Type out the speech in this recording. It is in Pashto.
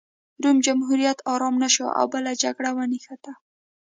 روم جمهوریت ارام نه شو او بله جګړه ونښته